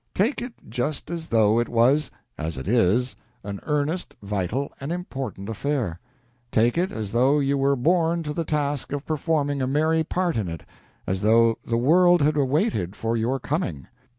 Take it just as though it was as it is an earnest, vital, and important affair. Take it as though you were born to the task of performing a merry part in it as though the world had awaited for your coming.